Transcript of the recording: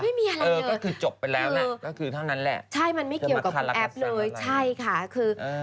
ไม่มีอะไรเหนือคือคือใช่มันไม่เกี่ยวกับแอฟเลยใช่ค่ะคือ